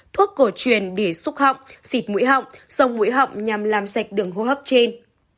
thuốc cổ truyền để xúc họng xịt mũi họng sau mũi họng nhằm làm sạch đường hô hấp trên